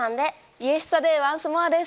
『イエスタデイ・ワンス・モア』です。